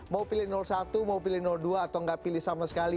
mau pilih satu mau pilih dua atau nggak pilih sama sekali